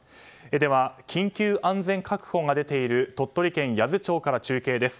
では、緊急安全確保が出ている鳥取県八頭町から中継です。